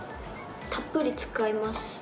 たっぷり使います